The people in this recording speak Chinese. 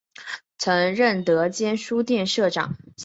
曾任德间书店社长。